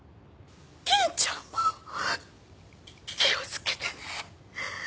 銀ちゃんも気をつけてね。